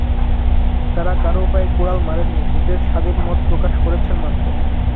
তাঁরা কারও পায়ে কুড়াল মারেননি; নিজের স্বাধীন মত প্রকাশ করেছেন মাত্র।